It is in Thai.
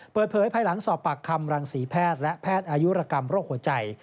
ภายหลังสอบปากคำรังศรีแพทย์และแพทย์อายุรกรรมโรคหัวใจ